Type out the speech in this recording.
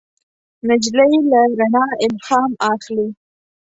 نجلۍ له رڼا الهام اخلي.